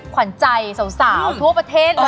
ขวัญใจสาวทั่วประเทศเลย